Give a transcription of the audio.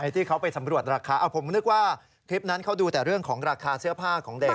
ที่เขาไปสำรวจราคาเอาผมนึกว่าคลิปนั้นเขาดูแต่เรื่องของราคาเสื้อผ้าของเด็ก